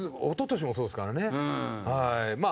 一昨年もそうですからねはい。